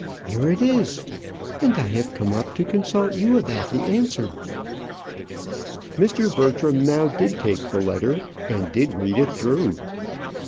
"Here it is; and I have come up to consult you about the answer." Mr. Bertram now did take the letter, and did read it through.